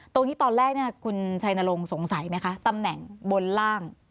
ตรงนี้ตอนแรกคุณชัยนรงค์สงสัยไหมคะตำแหน่งบนล่าง